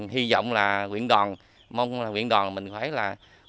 hy vọng là huyện đoàn mong là huyện đoàn mình phải là